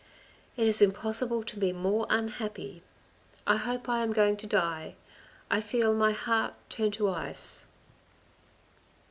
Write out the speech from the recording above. " It is impossible to be more unhappy. I hope I am going to die. I feel my heart turn to ice."